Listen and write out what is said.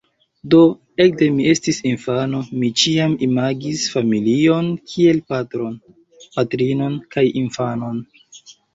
Do, ekde mi estis infano, mi ĉiam imagis familion kiel patron, patrinon kaj infanon.